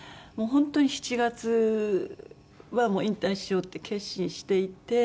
「本当に７月は引退しようって決心していて」